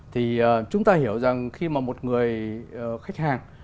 thì chúng ta hiểu rằng khi mà một người khách hàng